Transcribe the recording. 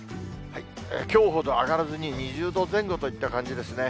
きょうほど上がらずに、２０度前後といった感じですね。